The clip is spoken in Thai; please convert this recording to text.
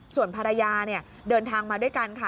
ส่วนภรรยาเดินทางมาด้วยกันค่ะ